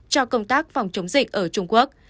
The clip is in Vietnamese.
cho công tác phòng chống dịch ở trung quốc